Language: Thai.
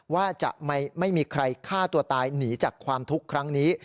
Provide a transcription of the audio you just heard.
ว่าจะไม่มีใครฆ่าตัวตายหนีจากความทุกข์ครั้งนี้